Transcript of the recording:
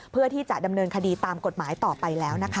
เพื่อที่จะดำเนินคดีตามกฎหมายต่อไปแล้วนะคะ